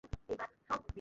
না মানে কী?